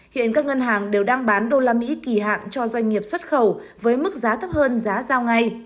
hiện các ngân hàng đều đang bán đô la mỹ kỳ hạn cho doanh nghiệp xuất khẩu với mức giá thấp hơn giá giao ngay